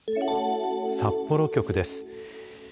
札幌局です。